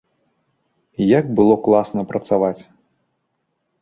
Як было класна працаваць!